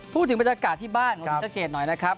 พูดถึงบรรยากาศที่บ้านของศรีสะเกดหน่อยนะครับ